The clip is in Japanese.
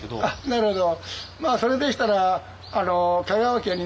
なるほど。